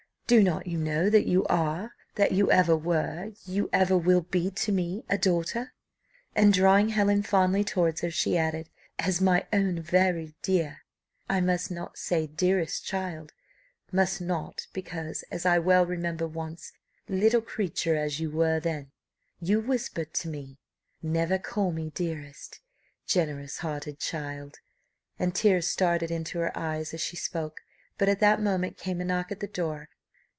Do not you know that you are that you ever were you ever will be to me a daughter?" and drawing Helen fondly towards her, she added, "as my own very dear I must not say dearest child, must not, because as I well remember once little creature as you were then you whispered to me, 'Never call me dearest,' generous hearted child!" And tears started into her eyes as she spoke; but at that moment came a knock at the door.